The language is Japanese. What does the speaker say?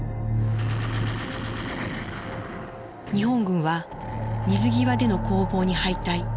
日本軍は水際での攻防に敗退。